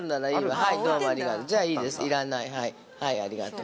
はい、どうもありがとう。